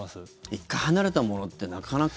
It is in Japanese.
１回離れたものってなかなか。